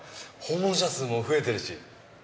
訪問者数も増えてるし。